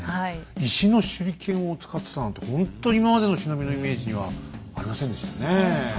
石の手裏剣を使ってたなんてほんと今までの忍びのイメージにはありませんでしたねえ。